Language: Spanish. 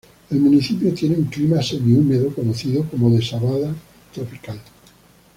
El municipio tiene un clima semi húmedo conocido como de sabana tropical.